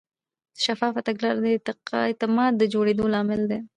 شفافه تګلاره د اعتماد د جوړېدو لامل ده.